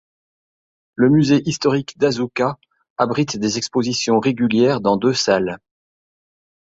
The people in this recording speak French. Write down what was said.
Le musée historique d'Asuka abrite des expositions régulières dans deux salles.